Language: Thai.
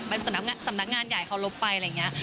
มันสำนักงานใหญ่เขารบไปอะไรอย่างนี้